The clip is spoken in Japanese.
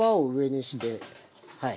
はい。